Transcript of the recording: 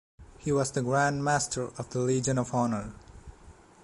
He was the Grand Master of the Legion of Honor.